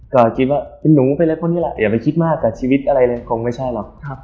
ก็คิดว่าเป็นหนูเป็นอะไรพวกนี้แหละอย่าไปคิดมากกับชีวิตอะไรเลยคงไม่ใช่หรอก